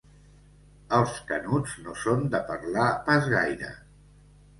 Els Canuts no són de parlar pas gaire.